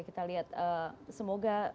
kita lihat semoga